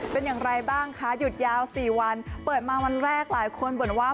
เป็นอย่างไรบ้างคะหยุดยาว๔วันเปิดมาวันแรกหลายคนบ่นว่า